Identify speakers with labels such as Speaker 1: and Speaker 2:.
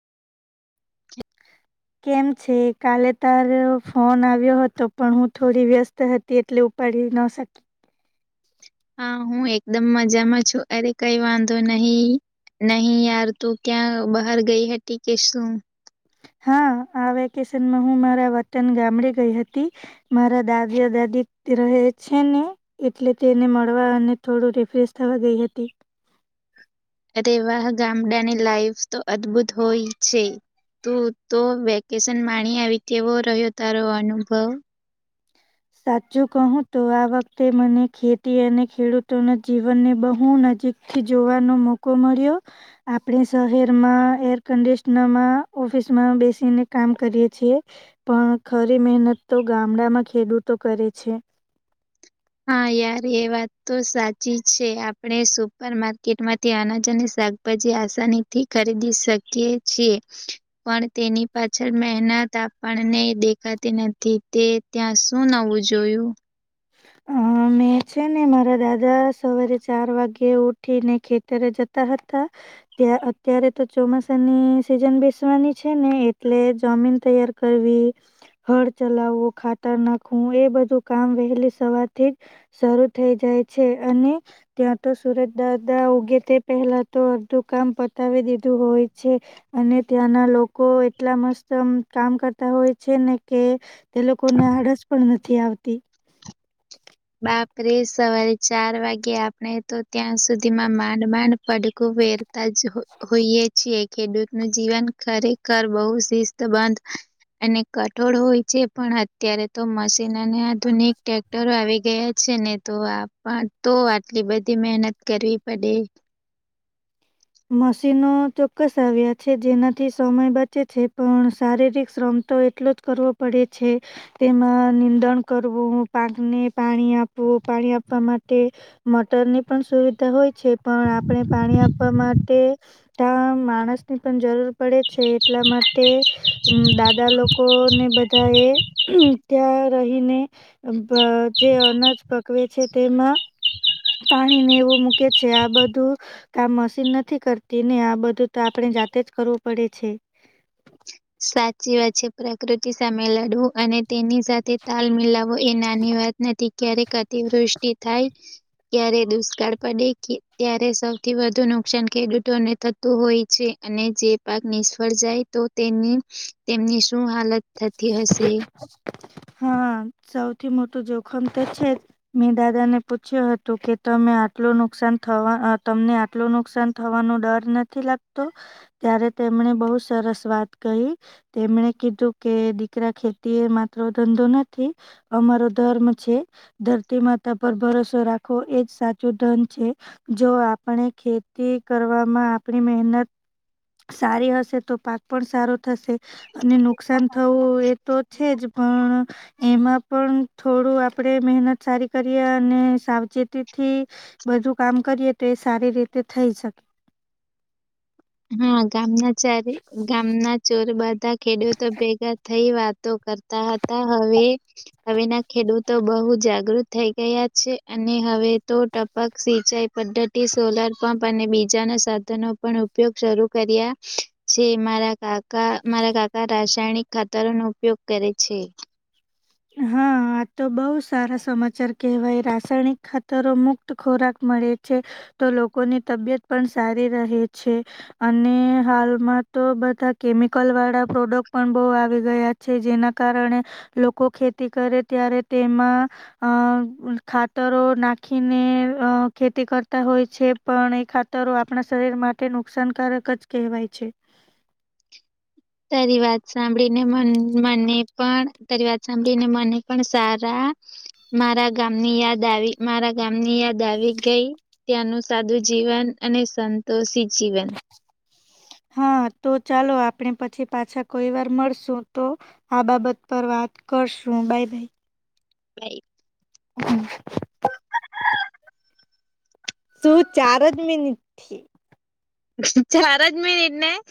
Speaker 1: કેમ છે? કાલે તાર ફોન આવ્યો હતો પણ હું થોડી વ્યસ્ત હતી એટલે ઉપાડી નવસખ
Speaker 2: હા હું એકદમ મજામાં છું અરે કઈ વાંધો નહી. નહીં યાર તું ક્યાં બહાર ગઈ હતી હતી કે શું?
Speaker 1: હા આ વેકેશનમાં હું મારા વતન ગામડે ગઈ હતી મારા દાદી દા નીત્ય રહે છે ને એટલે તેને મળવા અને થોડું રિફ્રેશ થવા ગઈ હતી. હ
Speaker 2: હાતે એવાહ ગામડાની લાઈફસ તો અદભુત હોય છે. તું તો વેકેશન માણી આવી કેવો રહ્યો તારો અનુભવ?
Speaker 1: સાચું કહું તો આ વખતે મને ખેતી અને ખેડૂતોના જીવન ને બહુ નજીક થી જોવાનો મોકો મળ્યો આપણે શહેરમાં એર કન્ડિશનરમાં ઓફિસ માં બેસીને કામ કરીએ છીએ પણ ખરી મહેનત તો ગામડામાં ખેડૂત તો કરે છે.
Speaker 2: હા યાર એ વાત તો સાચી છે આડે સુપર માર્કેટ માંથી અનાજ અને શાકભાજી આસાની થી ખરીદી શકીએ છીએ પણ તેની પાછળ મેના તો આપણને દેખાતી નથી તે ત્યાં શું નવું જોયું?
Speaker 1: હમ. મેં છે ને મારા દાદા સવારે ચાર વાગ્યે ઉઠીને ખેતરે જતા હતા તે અ અત્યારે તો ચોમાસાની સિઝન બેસવાની છે ને એટલે જમીન તૈયાર કર ને હળ ચલાવું ખાતર નાખવું એ બધું કામ વહેલી સવાર થી જ શરૂ થઈ જાય છે અને ત્યાં તો સુરજ દાદા ઉગે તે પહેલા તો અડધું કામ પતાવી દીધું હોય છે અને ત્યાંના લોકો એટલા મસ્ત કામ કરતા હોય છે ને કે તે લોકોને આડસ પણ નથી આવતી
Speaker 2: આપે સવારે ચાર વાગે આપણે તો ત્યાં સુધી માં માંડ માંડ પડકું વેર જ હોઈએ છીએ ખેડૂત નું જીવન ખરેખર બહુ શિસ્ત બંધ અને કઠોળ હોય છે પણ અત્યારે તો મશીન અને આધુનિક ટટેક્ટરો આવી ગયા છે ને તો આપ તો આટલી બધી મહેનત કરવી પડે
Speaker 1: મશીનો ચોક્કસ આવ્યા છે જેનાથી સમય બચે છે પણ શારીરિક શ્રમ તો એટલો જ કરવો પડે છે તેમાં નિંદણ કરવું પાકને પાણી આપવું પાણી આપવા માટે મોટરની પણ સુવિધા હોય છે પણ આપણે પાણી આપવા માટે ત માણસની પણ જરૂર પડે છે એટલા માટે દાદા લોકો ને બધા એ ત્યાં રહીને જે અનાજ છે તેમાં પાણીને એવું મૂકે છે આ બધું કામ મશીન નથી નથી કરતી ને આ બધું તો આપણે જાતે જ કરવું પડે છે
Speaker 2: સાચી વાત છે પ્રકૃતિ સામે લડવું અને તેની સાથે તાલ મિલાવો એ નાની વાત નથી ક્યારેક અતિવૃષ્ટિ થાય ક્યારે દુષ્કાળ પડે કે ત્યારે સૌથી વધુ નુકસાન ખેડૂતોને થતું હોય છે અને જે પાક નિષ્ફળ જાય તો તેની તેમની શું હાલત થતી હશે
Speaker 1: હા સૌથી મોટું જોખમ તો છે મેં દાદા ને પૂછ્યું હતું કે તમે તમને આટલું નુકસાન થવાનો ડર નથી લાગતો ત્યારે તેમણે બહુ સરસ વાત કહી તેમણે કીધું કે દીકરા ખેતી એ માત્ર ધંધો નથી અમારો ધર્મ છે ધરતીમાં પર ભરોસો રાખવો એજ સાચું ધન છે જો આપણે ખેતી કરવામાં આપ મહેનત સારી હશે તો પાક પણ સારો થશે અને નુકસાન થવું એ તો છે જ પણ એમાં પણ થોડું આપડે મહેનત સારી કરીએ અને સાવચેતી થી બધું કામ કરીએ તે સારી રીતે થઈ શકે
Speaker 2: હા ગામના ચારે ગામના ચોર બાધા ખેડૂતો ભેગા થઈ વાતો કરતા હતા હવે હવેના ખેડૂતો બહુ જાગૃત થઈ ગયા અને હવે તો ટપક સિંચાઈ પદ્ધતિ સોલાર પંપ અને બીજાના સાધનો પણ ઉપગ શરૂ કર્યા છે મારા કાકા મારા કાકા રાસાયણિક ખાતરોનો ઉપયોગ કરે છે
Speaker 1: હા આ તો બહ સારા સમાચાર કેહેવાય રાસાયણિક ખાતરો મુક્ત ખોરાક મળે છે તો લોકોની તબિયત પણ સારી રહે છે અને હાલમાં તો બધા કેમિકલ વાળા પ્રોડક્ટ પણ બહુ આવી ગયા છે જેના કારણે લોકો ખેતી કરે ત્યારે તેમાં અ ખાતરો નાખીને ખેતી કરતા હોય છે પણ એ ખાતરો આપણા શરીર માટે નુકસાનકારક જ કહેવાય છે [inaudible]
Speaker 2: તારી વાત સાંભળીને મ મને પણ તારી વાત સાંભળીને મને પણ સારા મારા ગામની યાદ આવી મારા ગામની યાદ આવી ગઈ ત્યાંનું સાદું જીવન અને સંતોષિત
Speaker 1: [inaudible] હા તો ચાલો આપણે પછી પાછા કોઈ વાર મળશું તો આ બાબત પર વાત કરશું બાાય બાાય
Speaker 2: લ
Speaker 1: હમ શું ચાર જ મિનિટથી
Speaker 2: ચ રજ મીનટને